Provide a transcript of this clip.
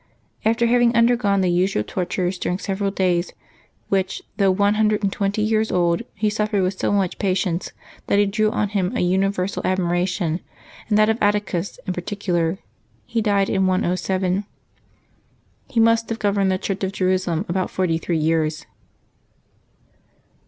After having undergone the usual tortures during several days, which, though one hundred and twenty years old, he suffered with so much patience that he drew on him a universal admiration, and that of Atticus in particular, he died in 107. He must have gov erned the Church of Jerusalem about forty three years.